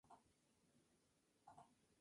Vicky Shell lanzó su álbum Salsa con Pimienta!